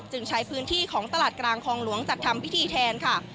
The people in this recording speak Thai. ใช้พื้นที่ของตลาดกลางคลองหลวงจัดทำพิธีแทนค่ะ